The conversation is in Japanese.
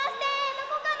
どこかな？